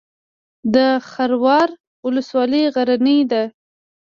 د خروار ولسوالۍ غرنۍ ده